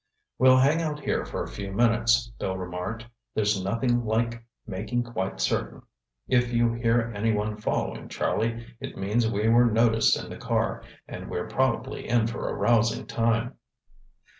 "We'll hang out here for a few minutes," Bill remarked. "There's nothing like making quite certain. If you hear anyone following, Charlie, it means we were noticed in the car, and we're probably in for a rousing time."